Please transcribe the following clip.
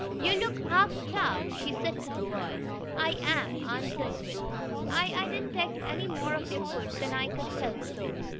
"You look half starved," she said to the boy. "I am," answered Will. "I I didn't take any more of your food than I could help, though."